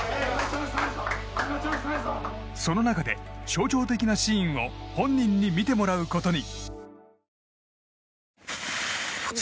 その中で象徴的なシーンを本人に見てもらうことに。